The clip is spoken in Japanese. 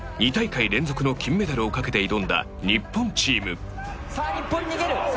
２大会連続の金メダルをかけて挑んだ、日本チーム実況：さあ、日本逃げる。